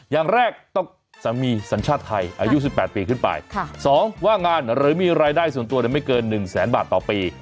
อย่างแรกต้องสามีสัญชาติไทยอายุ๑๘ปีขึ้นไป๒ว่างงานหรือมีรายได้ส่วนตัวไม่เกิน๑แสนบาทต่อปี